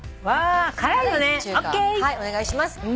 はいお願いします。